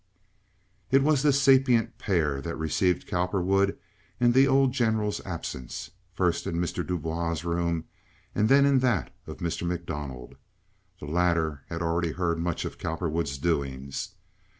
It was this sapient pair that received Cowperwood in the old General's absence, first in Mr. Du Bois's room and then in that of Mr. MacDonald. The latter had already heard much of Cowperwood's doings.